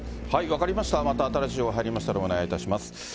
分かりました、また新しい情報入りましたら、お願いいたします。